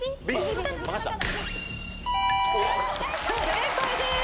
正解です。